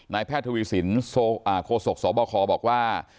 แพทย์ทวีสินโคศกสบคบอกว่า